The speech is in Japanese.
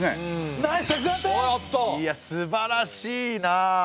いやすばらしいなあ。